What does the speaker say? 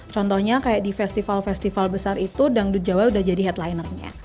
contohnya kayak di festival festival besar itu dangdut jawa udah jadi headlinernya